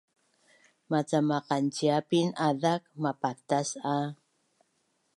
Maca maqanciapin azak mapatas a